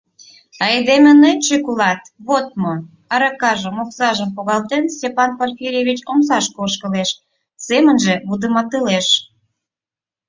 Айдеме нӧнчык улат, вот мо! — аракажым, оксажым погалтен, Степан Порфирьевич омсашке ошкылеш, семынже вудыматылеш.